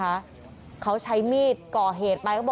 เพราะถูกทำร้ายเหมือนการบาดเจ็บเนื้อตัวมีแผลถลอก